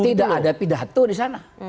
tidak ada pidato di sana